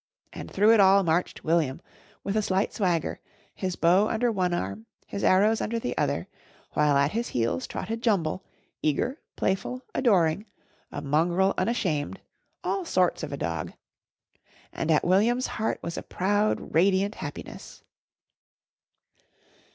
And through it all marched William, with a slight swagger, his bow under one arm, his arrows under the other, while at his heels trotted Jumble, eager, playful, adoring a mongrel unashamed all sorts of a dog. And at William's heart was a proud, radiant happiness.